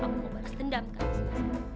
karena kamu mau balas dendam sama saya